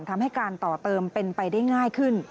ทำให้การต่อเติมเป็นไปได้ง่ายขึ้น